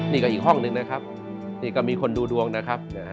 นี่ก็อีกห้องหนึ่งนะครับนี่ก็มีคนดูดวงนะครับ